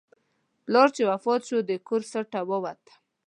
پلار چې وفات شو، د کور سټه ووته.